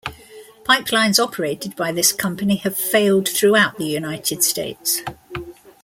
Pipelines operated by this company have failed throughout the United States.